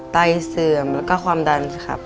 เสื่อมแล้วก็ความดันครับ